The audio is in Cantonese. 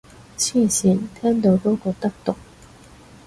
黐線，聽到都覺得毒